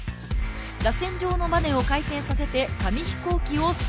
らせん状のバネを回転させて紙飛行機を装填。